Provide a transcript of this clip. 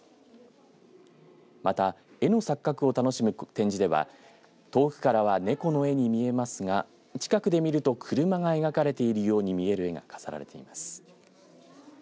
また、目の錯覚を楽しむ展示では遠くからは猫の絵に見えますが近くで見ると車が描かれているように見える絵が飾られています。